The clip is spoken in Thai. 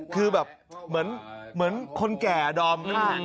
คือแบบเหมือนคนแก่ดอม